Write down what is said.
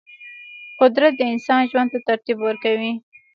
قدرت د انسان ژوند ته ترتیب ورکوي.